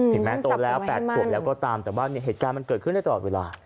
แม้โตแล้ว๘ขวบแล้วก็ตามแต่ว่าเหตุการณ์มันเกิดขึ้นได้ตลอดเวลา